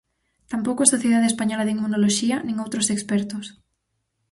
Tampouco a Sociedade Española de Inmunoloxía, nin outros expertos.